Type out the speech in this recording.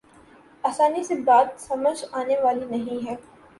آسانی سے بات سمجھ آنے والی نہیں ہے۔